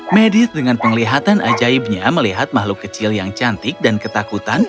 medit dengan penglihatan ajaibnya melihat makhluk kecil yang cantik dan ketakutan